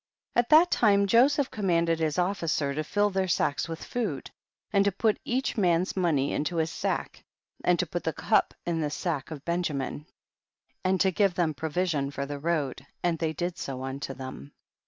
23. At that time Joseph com manded his officer to fill their sacks with food, and to put each man's mo ney into his sack, and to put the cup in the sack of Benjamin, and to give THE BOOK OF JASHER. 169 them provision for the road, and they did so unto them.